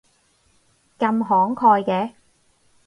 咁慷慨嘅